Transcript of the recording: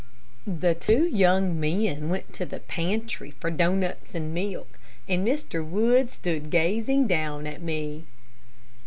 The two young men went to the pantry for doughnuts and milk, and Mr. Wood stood gazing down at me.